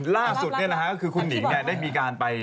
ล่าสุดก็คือคุณหนิงได้มีการไป